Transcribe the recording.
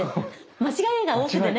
間違いが多くてね。